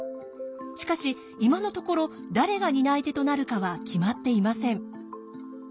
しかし今のところ誰が担い手となるかは決まっていません。